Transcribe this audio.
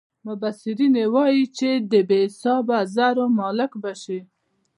مبصرین یې وايي چې د بې حسابه زرو مالک به شي.